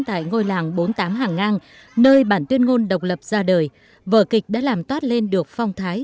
tại ngôi làng bốn mươi tám hàng ngang nơi bản tuyên ngôn độc lập ra đời vở kịch đã làm toát lên được phong thái